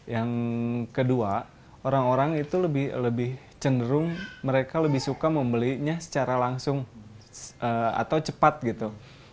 yang kedua orang orang itu lebih cenderung mereka lebih suka membelinya secara langsung atau cepat gitu